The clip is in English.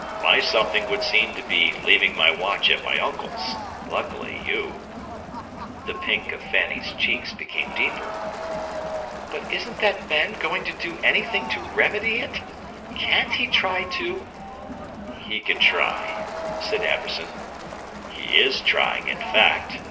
My something would seem to be leaving my watch at my uncle's. Luckily, you—" The pink of Fanny's cheeks became deeper. "But isn't that man going to do anything to remedy it? can't he try to—" "He can try," said Amberson. "He is trying, in fact.